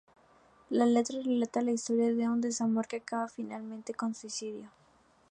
La letra relata la historia de un desamor que acaba finalmente con suicidio.